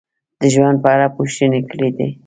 د ژوند په اړه پوښتنې کړې دي: